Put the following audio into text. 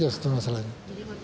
jadi menurut anda cara ahok